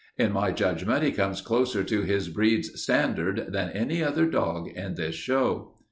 In my judgment he comes closer to his breed's standard than any other dog in this show.